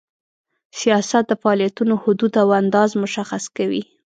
سیاست د فعالیتونو حدود او اندازه مشخص کوي.